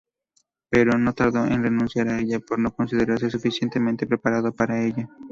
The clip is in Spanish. Pero no tardó en renunciar a ella por no considerarse suficientemente preparado para ella.